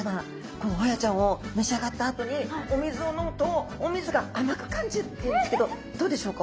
このホヤちゃんを召し上がったあとにお水を飲むとお水が甘く感じるっていうんですけどどうでしょうか？